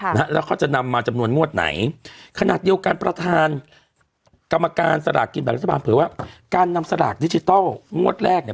นะฮะแล้วเขาจะนำมาจำนวนงวดไหนขนาดเดียวกันประธานกรรมการสลากกินแบ่งรัฐบาลเผยว่าการนำสลากดิจิทัลงวดแรกเนี่ย